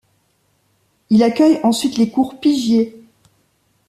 Il accueille ensuite les cours Pigier.